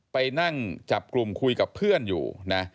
ไปนั่งจับกลุ่มคุยกับเพื่อนอยู่นะ